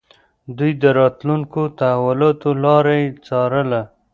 دوی د راتلونکو تحولاتو لاره يې څارله.